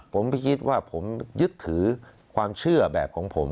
ผมไม่คิดว่าผมยึดถือความเชื่อแบบของผม